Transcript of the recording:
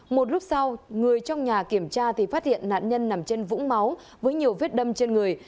một lúc sau người trong nhà kiểm tra thì phát hiện nạn nhân nằm trên vũng máu với nhiều vết đâm trên người